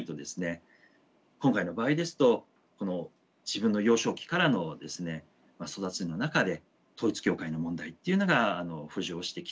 今回の場合ですとこの自分の幼少期からのですね育ちの中で統一教会の問題っていうのが浮上してきてですね